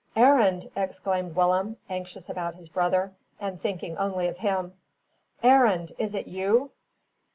"Arend!" exclaimed Willem, anxious about his brother, and thinking only of him. "Arend! is it you?"